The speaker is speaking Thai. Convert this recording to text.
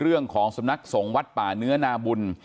เรื่องของสำนักสงฆ์วัดป่าเนื้อนาบุญ